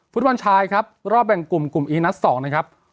ฟุตบอลชายครับรอบแบ่งกลุ่มกลุ่มอีนัด๒นะครับ